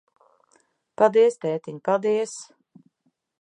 Paldies, tētiņ, paldies.